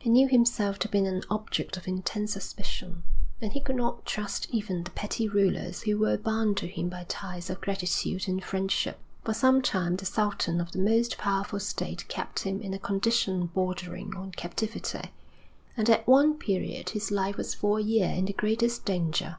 He knew himself to be an object of intense suspicion, and he could not trust even the petty rulers who were bound to him by ties of gratitude and friendship. For some time the sultan of the most powerful state kept him in a condition bordering on captivity, and at one period his life was for a year in the greatest danger.